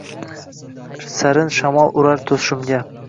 Sarin shamol urar toʼshimga.